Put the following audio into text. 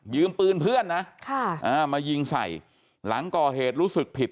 ปืนเพื่อนนะมายิงใส่หลังก่อเหตุรู้สึกผิด